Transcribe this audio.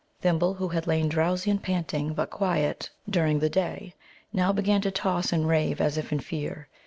Thimble, who had lain drowsy and panting, but quiet, during the day, now began to toss and rave as if in fear.